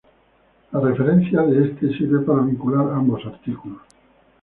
La referencia de este sirve para vincular ambos artículos.